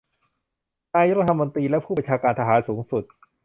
นายกรัฐมนตรีและผู้บัญชาการทหารสูงสุด